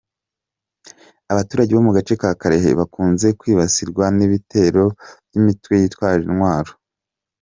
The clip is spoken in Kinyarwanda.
Abaturage bo mu gace ka Kalehe bakunze kwibasirwa n’ibitero by’imitwe yitwaje intwaro.